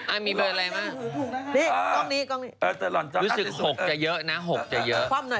มีเบอร์อะไรบ้างนี่กล้องนี้รู้สึก๖จะเยอะนะ๖จะเยอะ